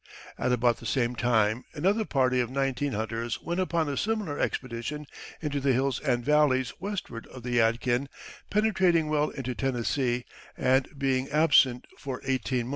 At about the same time another party of nineteen hunters went upon a similar expedition into the hills and valleys westward of the Yadkin, penetrating well into Tennessee, and being absent for eighteen months.